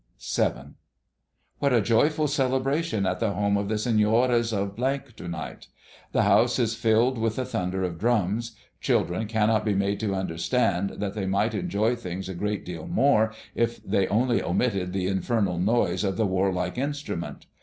VII. What a royal celebration at the home of the Señores of to night! The house is filled with the thunder of drums. Children cannot be made to understand that they might enjoy things a great deal more if they only omitted the infernal noise of the warlike instrument.